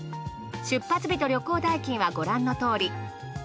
出発日と旅行代金はご覧のとおり。